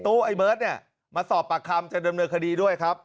ไอ้เบิร์ตเนี่ยมาสอบปากคำจะดำเนินคดีด้วยครับ